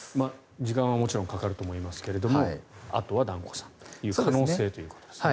時間はもちろんかかると思いますがあとは團子さんという可能性ということですね。